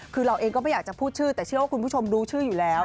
คือเราเองก็ไม่อยากจะพูดชื่อแต่เชื่อว่าคุณผู้ชมรู้ชื่ออยู่แล้ว